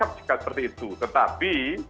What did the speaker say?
harga perbezaan harga rawatan